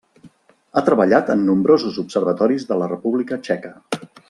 Ha treballat en nombrosos observatoris de la República Txeca.